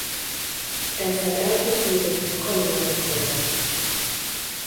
Ezzel elkezdődött a Kalózok Kora.